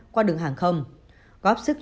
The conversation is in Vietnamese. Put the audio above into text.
qua đường hàng không góp sức